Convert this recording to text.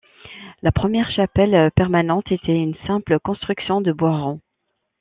La première chapelle permanente était une simple construction de bois rond.